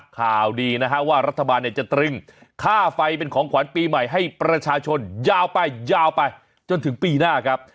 ข่าวดีนะฮะว่ารัฐบาลเนี่ยจะตรึงค่าไฟเป็นของขวัญปีใหม่ให้ประชาชนยาวไปยาวไปจนถึงปีหน้าครับ